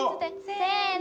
せの。